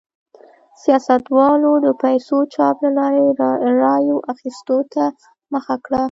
سیاستوالو د پیسو چاپ له لارې رایو اخیستو ته مخه کړه.